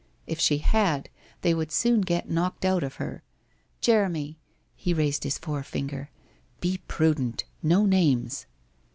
If she had, they would soon get knocked out of her. Jeremy ' He raised his forefinger. ' Be prudent. No names